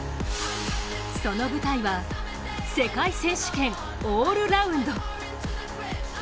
その舞台は世界選手権オールラウンド。